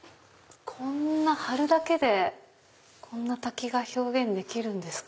貼るだけでこんな滝が表現できるんですか？